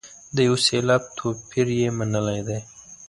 د یو سېلاب توپیر یې منلی دی.